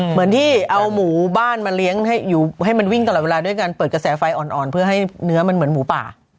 เหมือนที่เอาหมู่บ้านมาเลี้ยงให้มันวิ่งตลอดเวลาด้วยการเปิดกระแสไฟอ่อนเพื่อให้เนื้อมันเหมือนหมูป่า